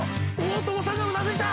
大友さんがうなずいた！